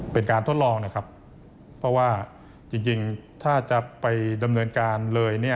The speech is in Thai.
เป็นการทดลองนะครับเพราะว่าจริงถ้าจะไปดำเนินการเลยเนี่ย